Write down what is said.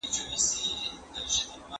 آیا تاسو د ټولنپوهنې له تیوریو سره بلد یاست؟